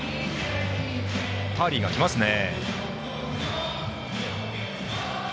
ターリーがきますね。